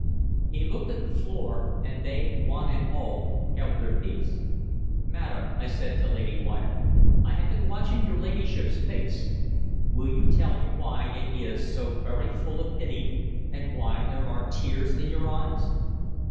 He looked at the floor, and they one and all held their peace. "Madam," I said to Lady Wyatt, "I have been watching your ladyship's face. Will you tell me why it is so very full of pity, and why there are tears in your eyes?"